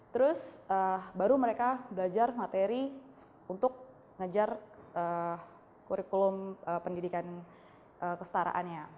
terus baru mereka belajar materi untuk ngajar kurikulum pendidikan kestaraannya